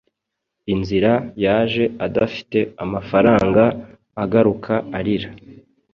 Inzira yaje adafite amafaranga agaruka arira